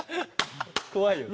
怖いよね